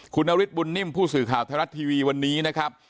คุณนฤทธบุญนิ่มผู้สื่อข่าวไทยรัฐทีวีวันนี้นะครับ